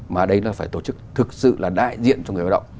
mà đây là phải tổ chức thực sự là đại diện cho người lao động